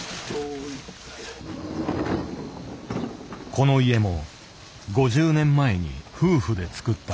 この家も５０年前に夫婦で造った。